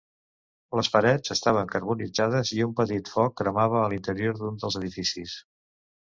Les parets estaven carbonitzades i un petit foc cremava a l'interior d'un dels edificis.